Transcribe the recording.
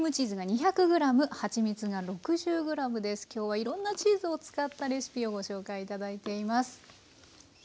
今日はいろんなチーズを使ったレシピをご紹介頂いています。